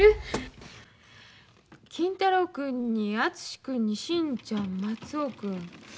金太郎君に厚君に新ちゃん松男君。